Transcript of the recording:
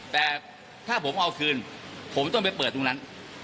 แต่ถ้าผมเอาคืนผมต้องไปเปิดตรงนั้น